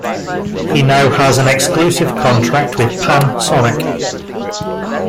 He now has an exclusive contract with Pan Sonic.